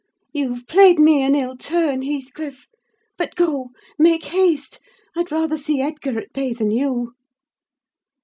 You've played me an ill turn, Heathcliff! But go—make haste! I'd rather see Edgar at bay than you."